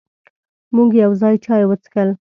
مونږ یو ځای چای وڅښل.